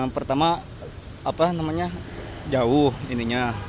pertama jauh ini